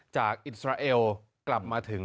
อิสราเอลกลับมาถึง